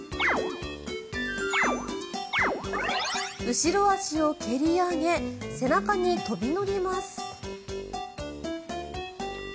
後ろ足を蹴り上げ背中に飛び乗ります。